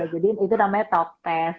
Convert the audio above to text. jadi itu namanya talk test